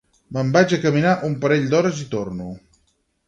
Me'n vaig a caminar un parell d'hores i torno